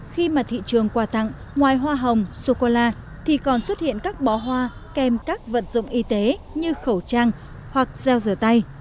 khi mà thị trường quà tặng ngoài hoa hồng sô cô la thì còn xuất hiện các bó hoa kèm các vật dụng y tế như khẩu trang hoặc gieo rửa tay